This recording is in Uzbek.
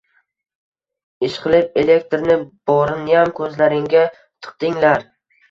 Ishqilib elektrni boriniyam koʻzlaringga tiqdinglar!